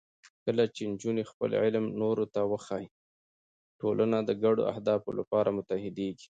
کله چې نجونې خپل علم نورو ته وښيي، ټولنه د ګډو اهدافو لپاره متحدېږي.